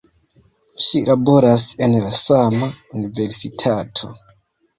Ŝi laboras en la sama universitato.